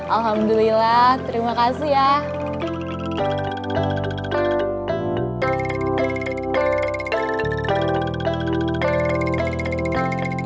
alhamdulillah terima kasih ya